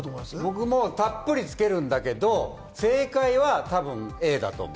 僕もたっぷりつけるんだけど、正解は多分、Ａだと思う。